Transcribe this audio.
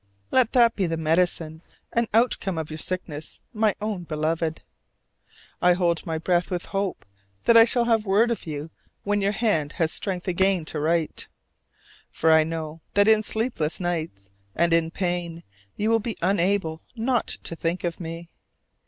Let that be the medicine and outcome of your sickness, my own Beloved! I hold my breath with hope that I shall have word of you when your hand has strength again to write. For I know that in sleepless nights and in pain you will be unable not to think of me.